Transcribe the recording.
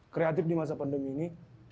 kreatif di masa pandemi ini